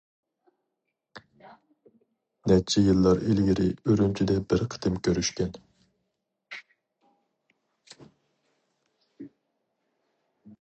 نەچچە يىللار ئىلگىرى ئۈرۈمچىدە بىر قېتىم كۆرۈشكەن.